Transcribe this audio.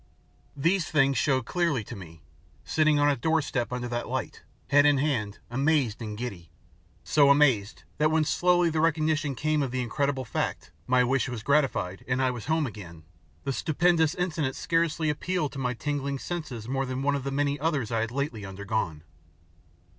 These things showed clearly to me, sitting on a doorstep under that light, head in hand, amazed and giddy so amazed that when slowly the recognition came of the incredible fact my wish was gratified and I was home again, the stupendous incident scarcely appealed to my tingling senses more than one of the many others I had lately undergone.